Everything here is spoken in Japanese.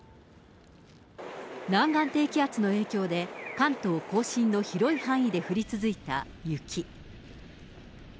南岸低気圧の影響で、関東甲信の広い範囲で降り続いた雪。